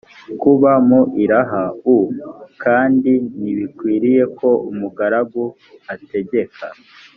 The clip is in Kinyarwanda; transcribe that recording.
kuba mu iraha u kandi ntibikwiriye ko umugaragu ategeka